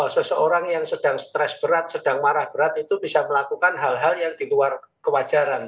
seseorang yang sedang stres berat sedang marah berat itu bisa melakukan hal hal yang di luar kewajaran